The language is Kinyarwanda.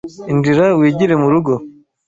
Injira wigire murugo.